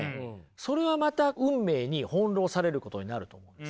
それはまた運命に翻弄されることになると思うんですよね。